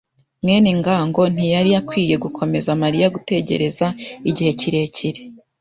mwene ngango ntiyari akwiye gukomeza Mariya gutegereza igihe kirekire.